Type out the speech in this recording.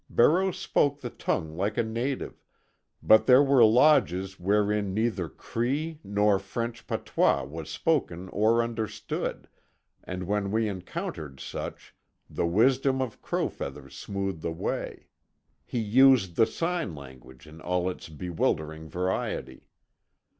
Barreau spoke the tongue like a native, but there were lodges wherein neither Cree nor French patois was spoken or understood, and, when we encountered such, the wisdom of Crow Feathers smoothed the way. He used the sign language in all its bewildering variety.